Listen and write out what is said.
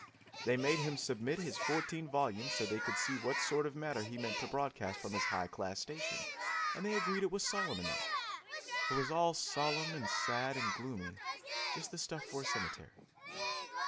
They made him submit his fourteen volumes so they could see what sort of matter he meant to broadcast from his high class station, and they agreed it was solemn enough; it was all solemn and sad and gloomy, just the stuff for a cemetery.